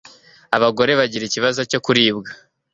abagore bagira ikibazo cyo kuribwa